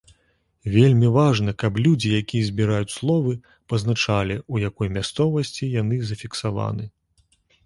Вельмі важна, каб людзі, якія збіраюць словы, пазначалі, у якой мясцовасці яны зафіксаваны.